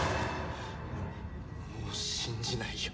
もう信じないよ